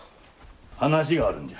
話があるんじゃ。